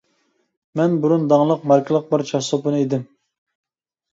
مەن بۇرۇن داڭلىق ماركىلىق بىر چاچ سوپۇنى ئىدىم.